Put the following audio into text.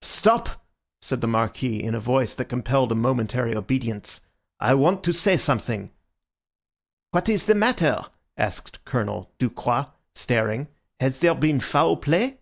"Stop!" said the Marquis in a voice that compelled a momentary obedience. "I want to say something." "What is the matter?" asked Colonel Ducroix, staring. "Has there been foul play?"